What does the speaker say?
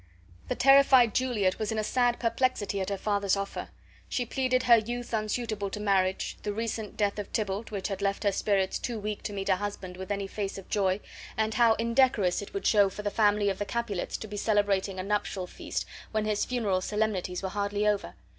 The terrified Juliet was in a sad perplexity at her father's offer. She pleaded her youth unsuitable to marriage, the recent death of Tybalt, which had left her spirits too weak to meet a husband with any face of joy, and how indecorous it would show for the family of the Capulets to be celebrating a nuptial feast when his funeral solemnities were hardly over.